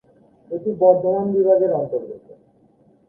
এটি বর্ধমান বিভাগের অন্তর্গত।